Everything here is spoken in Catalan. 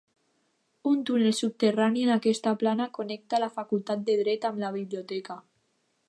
Un túnel subterrani en aquesta plana connecta la facultat de dret amb la biblioteca.